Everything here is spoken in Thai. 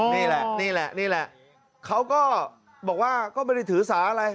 แฟนผมได้ใส่